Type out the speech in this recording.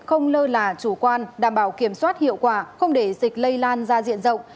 không lơ là chủ quan đảm bảo kiểm soát hiệu quả không để dịch lây lan ra diện rộng